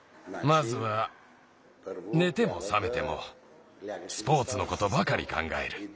まずはねてもさめてもスポーツのことばかりかんがえる。